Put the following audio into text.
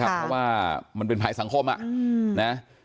เพราะว่ามันเป็นหมายสังคมอ่ะอืม